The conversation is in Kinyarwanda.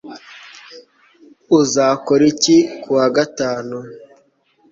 Uzakora iki kuwa gatanu